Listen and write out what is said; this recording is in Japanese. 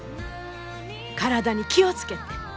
体に気を付けて。